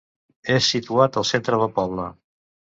És situat al centre del poble.